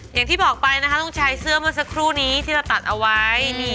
อย่างที่บอกไปนะคะลูกชายเสื้อเมื่อสักครู่นี้ที่เราตัดเอาไว้